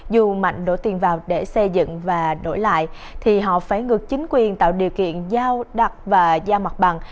dù mạnh đổ tiền vào để xây dựng và đổi lại thì họ phải ngược chính quyền tạo điều kiện giao đặt và giao mặt bằng